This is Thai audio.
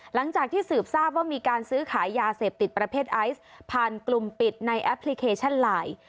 หลังจากที่สืบทราบว่ามีการซื้อขายยาเสพติดประเภทไอซ์ผ่านกลุ่มปิดในแอปพลิเคชันไลน์